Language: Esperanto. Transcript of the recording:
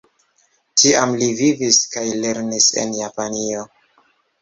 Tiam li vivis kaj lernis en Japanio.